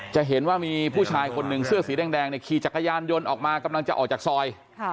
จะเห็นว่ามีผู้ชายคนหนึ่งเสื้อสีแดงขี่จักรยานยนต์ออกมากำลังจะออกจากซอย